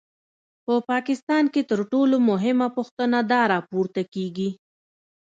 په پاکستان کې تر ټولو مهمه پوښتنه دا راپورته کېږي.